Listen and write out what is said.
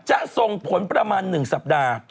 จะส่งผลประมาณ๑สัปดาห์